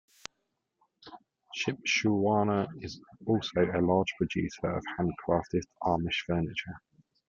Shipshewana is also a large producer of handcrafted Amish furniture.